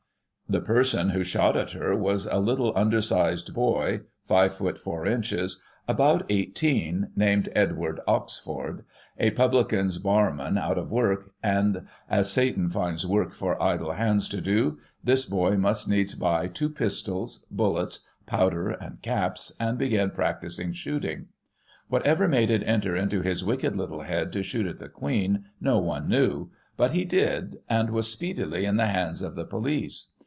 The person who shot at her was a little undersized boy (5ft. 4in.), about 18, named Edward Oxford, a publican's bar man, out of work, and as " Satan finds work for idle hands to do," this boy must needs buy two pistols, bullets, powder and caps, and begin practising shooting. Whatever made it enter into his wicked little head to shoot at the Queen, no one knew, but he did, and was speedily in the hands of the police.